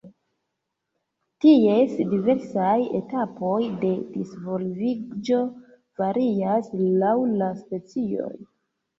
Ties diversaj etapoj de disvolviĝo varias laŭ la specioj.